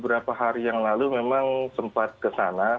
beberapa hari yang lalu memang sempat kesana